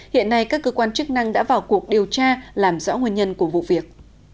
hiện nay các cơ quan chức năng đã vào cuộc điều tra làm rõ nguyên nhân của vụ việc